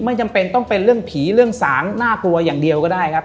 จำเป็นต้องเป็นเรื่องผีเรื่องสางน่ากลัวอย่างเดียวก็ได้ครับ